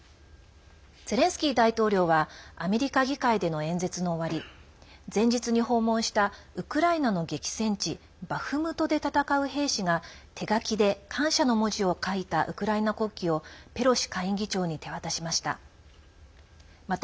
ゼレンスキー大統領はアメリカ議会での演説の終わり前日に訪問した、ウクライナの激戦地バフムトで戦う兵士が手書きで感謝の文字を書いたウクライナ国旗をペロシ下院議長に手渡しました。